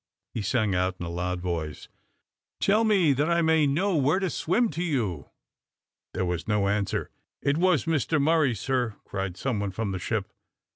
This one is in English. he sang out in a loud voice. "Tell me, that I may know where to swim to you." There was no answer. "It was Mr Murray, sir," cried some one from the ship.